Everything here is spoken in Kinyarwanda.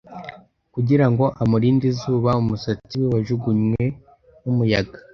kugira ngo amurinde izuba, umusatsi we wajugunywe n'umuyaga